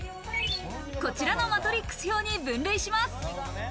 こちらのマトリックス表に分類します。